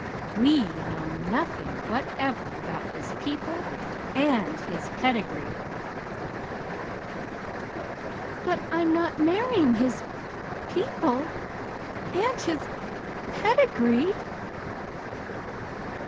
We know nothing whatever about his people, and his pedigree." "But I'm not marrying his p people and his p pedigree!"